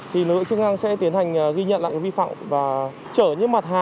thì lựa chức hàng sẽ tiến hành ghi nhận lại vi phạm và chở những mặt hàng